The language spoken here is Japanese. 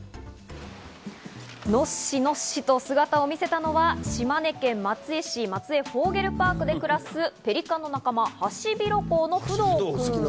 ノッシノッシと姿を見せたのは島根県松江市松江フォーゲルパークで暮らすペリカンの仲間、ハシビロコウのフドウくん。